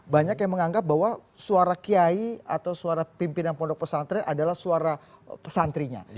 banyak yang menganggap bahwa suara kiai atau suara pimpinan pondok pesantren adalah suara pesantrennya